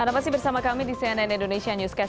anda masih bersama kami di cnn indonesia newscast